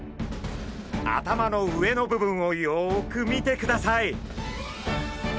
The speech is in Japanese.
頭の上の部分をよく見てください。